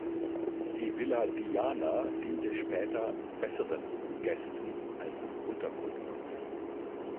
Die Villa „Diana“ diente später „besseren“ Gästen als Unterkunft.